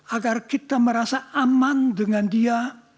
agar kita merasa aman dengan dia